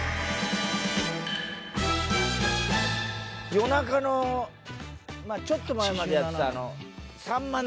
夜中のちょっと前までやってた。